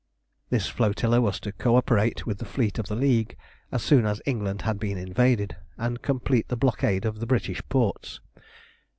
This flotilla was to co operate with the fleet of the League as soon as England had been invaded, and complete the blockade of the British ports.